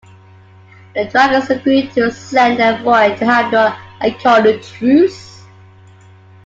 The dragons agree to send an envoy to Havnor and call a truce.